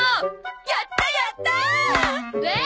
やったやったー！